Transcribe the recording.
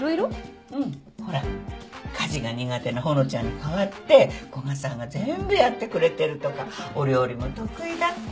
ほら家事が苦手なほのちゃんに代わって古賀さんが全部やってくれてるとかお料理も得意だって。